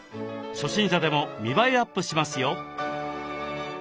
初心者でも見栄えアップしますよ。